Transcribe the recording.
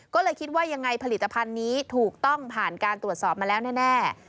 ก็เลยคิดว่ายังไงผลิตภัณฑ์นี้ถูกต้องผ่านการตรวจสอบมาแล้วแน่